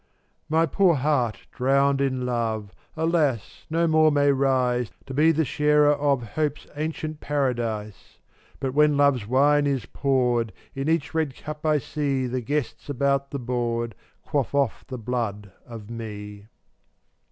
428 My poor heart drowned in love, Alas! no more may rise To be the sharer of Hope's ancient paradise; But when Love's wine is poured, In each red cup I see The guests about the board Quaff off the blood of me.